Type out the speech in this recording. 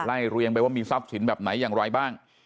เรียงไปว่ามีทรัพย์สินแบบไหนอย่างไรบ้าง